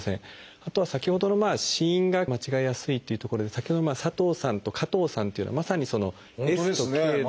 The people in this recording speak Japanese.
あとは先ほどの子音が間違えやすいっていうところで先ほど「佐藤さん」と「加藤さん」っていうのはまさに「Ｓ」と「Ｋ」で。